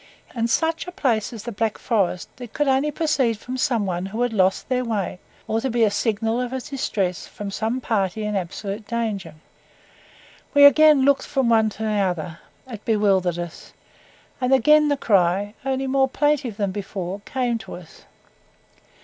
In such a place as the Black Forest it could only proceed from some one who had lost their way, or be a signal of distress from some party in absolute danger. We again looked from one to the other it bewildered us; and again the cry, only more plaintive than before, came to us.